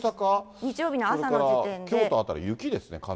京都辺り雪ですね。